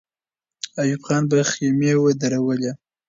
ایوب خان به خېمې ودرولي.